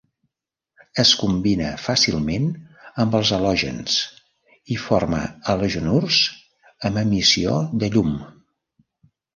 Es combina fàcilment amb els halògens i forma halogenurs amb emissió de llum.